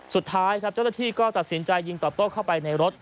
สุดท้ายครับเจ้าหน้าที่ก็ตัดสินใจยิงตอบโต้เข้าไปในรถ